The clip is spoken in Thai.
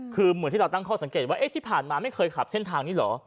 คือเหมือนที่เราตั้งข้อสังเกตว่าที่ผ่านมาไม่เคยขับเส้นทางนี้เหรอ